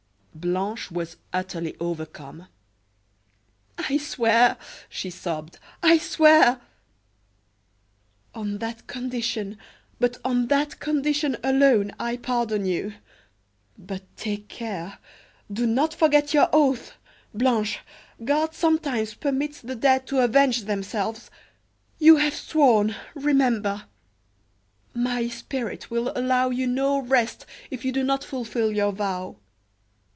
Blanche was utterly overcome. "I swear!" she sobbed, "I swear!" "On that condition, but on that condition alone, I pardon you. But take care! Do not forget your oath! Blanche, God sometimes permits the dead to avenge themselves! You have sworn, remember. "My spirit will allow you no rest if you do not fulfil your vow."